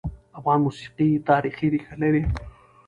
افغان موسیقي تاریخي ريښه لري.